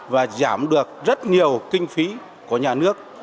và giảm được rất nhiều kinh phí của nhà nước